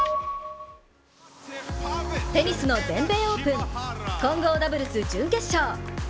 テニスの全米オープン混合ダブルス準決勝。